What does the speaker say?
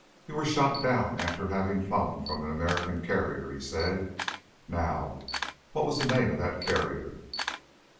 "You were shot down after having flown from an American carrier," he said. "Now, what was the name of that carrier?"